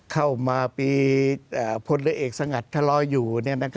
เข้ามาปีพลเอกสงัดถลอยอยู่